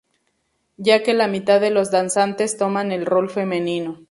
Ya que la mitad de los danzantes toman el rol femenino.